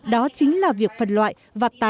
đó chính là việc phân loại và tái sử dụng chúng